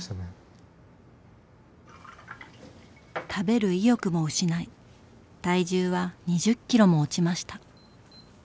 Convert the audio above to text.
食べる意欲も失い体重は２０キロも落ちました。